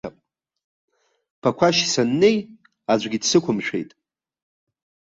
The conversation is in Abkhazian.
Ԥақәашь саннеи, аӡәгьы дсықәымшәеит.